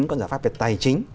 có những giải pháp về tài chính